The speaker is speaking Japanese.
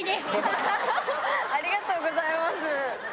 ありがとうございます。